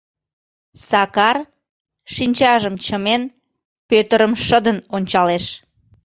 Сакар, шинчажым чымен, Пӧтырым шыдын ончалеш.